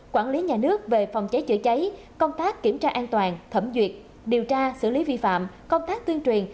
quản lý nhà nước về phòng cháy chữa cháy công tác kiểm tra an toàn thẩm duyệt điều tra xử lý vi phạm công tác tuyên truyền